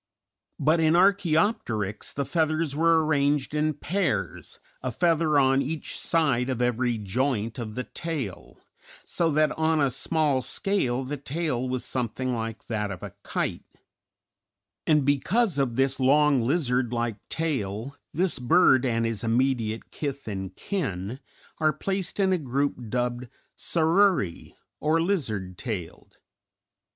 But in Archæopteryx the feathers were arranged in pairs, a feather on each side of every joint of the tail, so that on a small scale the tail was something like that of a kite; and because of this long, lizard like tail this bird and his immediate kith and kin are placed in a group dubbed Saururæ, or lizard tailed.